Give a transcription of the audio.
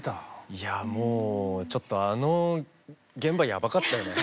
いやもうちょっとあの現場やばかったよね。